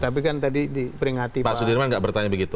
pak sudirman nggak bertanya begitu